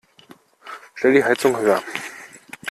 Stell die Heizung höher.